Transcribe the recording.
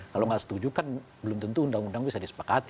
kalau nggak setuju kan belum tentu undang undang bisa disepakati